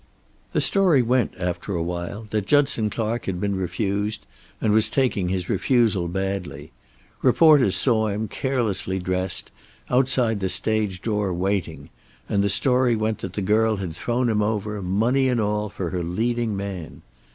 The story went, after a while, that Judson Clark had been refused, and was taking his refusal badly. Reporters saw him, carelessly dressed, outside the stage door waiting, and the story went that the girl had thrown him over, money and all, for her leading man.